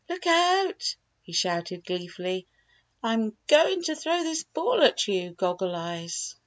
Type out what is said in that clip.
" Look out! " he shouted gleefully. " I'm go ing to throw this ball at you. Goggle Eyes!"